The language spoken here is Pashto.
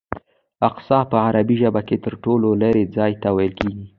اقصی په عربي ژبه کې تر ټولو لرې ځای ته ویل کېږي.